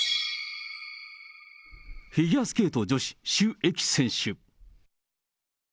フィギュアスケート女子、朱易選手。